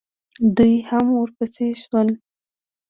دوئ هم ورپسې شول.